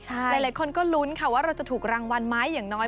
หลายคนก็ลุ้นค่ะว่าเราจะถูกรางวัลไหมอย่างน้อย